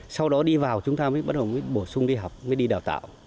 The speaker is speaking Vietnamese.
sau đó đi vào chúng ta mới bắt đầu mới bổ sung đi học mới đi đào tạo